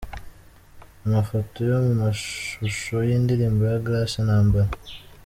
Amafoto yo mu mashusho y'indirimbo ya Grace Ntambara.